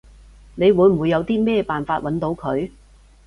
你會唔會有啲咩辦法搵到佢？